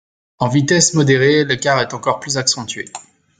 En vitesse modérée, l'écart est encore plus accentué.